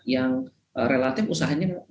yang relatif usahanya